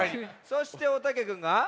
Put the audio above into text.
そしておたけくんが。